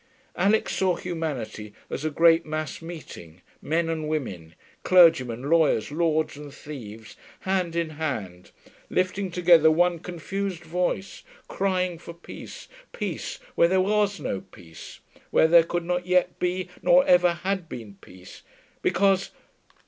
Alix saw humanity as a great mass meeting, men and women, 'clergymen, lawyers, lords and thieves,' hand in hand, lifting together one confused voice, crying for peace, peace, where there was no peace. Where there could not yet be, nor ever had been, peace, because